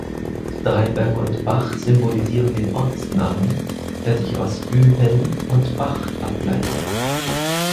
Dreiberg und Bach symbolisieren den Ortsnamen, der sich aus „Bühel“ und „Bach“ ableitet.